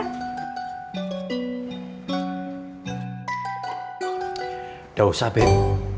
gak usah beb